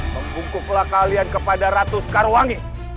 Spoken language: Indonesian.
membungkuklah kalian kepada ratu sekarwangi